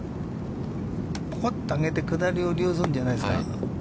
ぽこっと上げて、下りを利用するんじゃないですか。